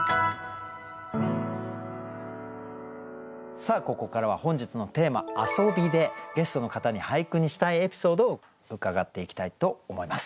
さあここからは本日のテーマ「遊び」でゲストの方に俳句にしたいエピソードを伺っていきたいと思います。